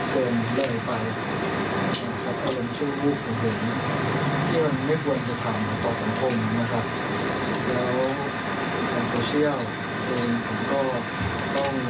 แต่เราก็ได้โทษทางโทเซียมทางคุณกรณี